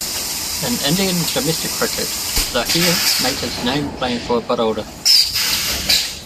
In Indian domestic cricket, Zaheer made his name playing for Baroda.